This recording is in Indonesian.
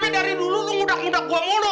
kenapa dari dulu lo ngundak ngundak gue mudo